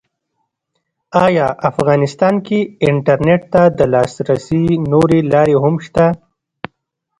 ایا افغانستان کې انټرنېټ ته د لاسرسي نورې لارې هم شته؟